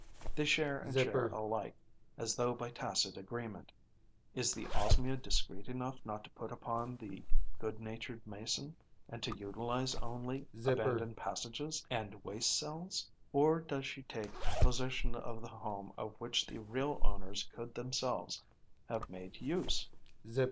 They share and share alike, as though by tacit agreement. Is the Osmia discreet enough not to put upon the good natured Mason and to utilize only abandoned passages and waste cells? Or does she take possession of the home of which the real owners could themselves have made use?